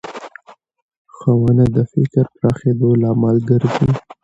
ښوونه د فکر پراخېدو لامل ګرځي